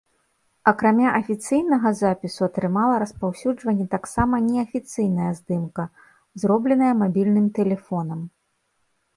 Акрамя афіцыйнага запісу атрымала распаўсюджванне таксама неафіцыйная здымка, зробленая мабільным тэлефонам.